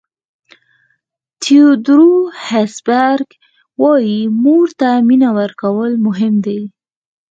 تیودور هسبرګ وایي مور ته مینه ورکول مهم دي.